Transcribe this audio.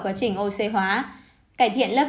quá trình oxy hóa cải thiện lớp